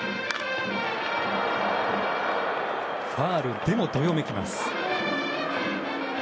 ファウルでもどよめきます。